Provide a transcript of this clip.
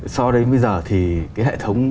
so với bây giờ thì cái hệ thống